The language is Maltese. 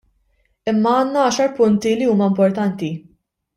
Imma għandna għaxar punti li huma importanti.